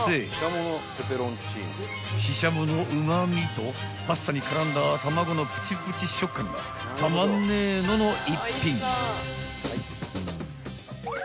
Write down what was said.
［ししゃものうま味とパスタに絡んだ卵のプチプチ食感がたまんねえのの一品］